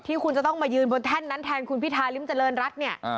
คุณจะต้องมายืนบนแท่นนั้นแทนคุณพิธาริมเจริญรัฐเนี่ย